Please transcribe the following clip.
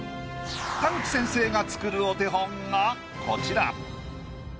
田口先生が作るお手本がこちら。